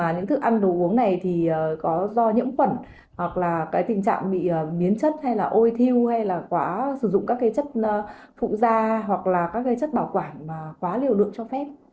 những thức ăn đồ uống này có do nhiễm khuẩn tình trạng bị miến chất ôi thiêu sử dụng các chất phụ da hoặc các chất bảo quản quá liều lượng cho phép